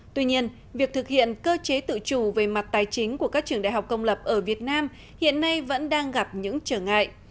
tuy nhiên việc thực hiện cơ chế tự chủ về mặt tài chính của các trường đại học công lập ở việt nam hiện nay vẫn đang gặp những trở ngại